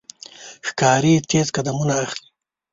ښکاري تیز قدمونه اخلي.